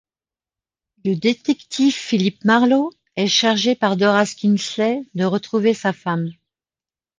Le détective Philip Marlowe est chargé par Derace Kingsley de retrouver sa femme.